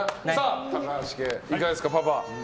高橋家いかがですか、パパ。